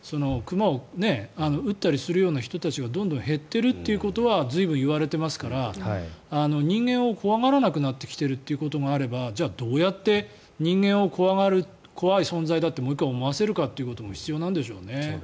だから、猟銃を持って熊を撃ったりするような人たちがどんどん減っているということは随分言われていますから人間を怖がらなくなってるということがあればじゃあどうやって人間が怖い存在だと思わせるかという必要があるんでしょうね。